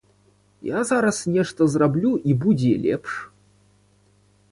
Я зараз нешта зраблю, і будзе лепш.